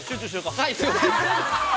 ◆はい！